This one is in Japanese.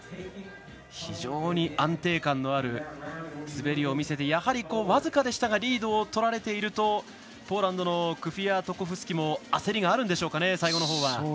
非常に安定感のある滑りを見せてやはり、僅かでしたがリードをとられているとポーランドのクフィアトコフスキも焦りがあるんでしょうか最後のほうは。